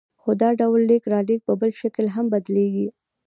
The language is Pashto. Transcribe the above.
خو دا ډول لېږد رالېږد په بل شکل هم بدلېږي